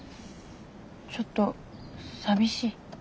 ちょっと寂しい？